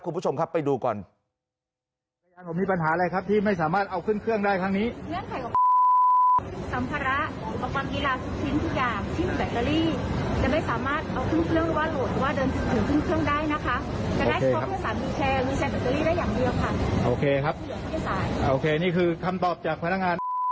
คุณผู้ชมครับไปดูก่อน